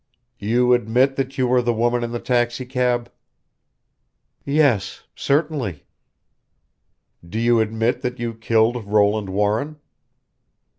"You admit that you were the woman in the taxicab?" "Yes. Certainly." "Do you admit that you killed Roland Warren?"